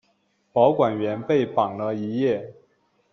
保管员被绑了一夜。